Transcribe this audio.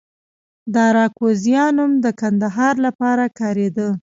د اراکوزیا نوم د کندهار لپاره کاریده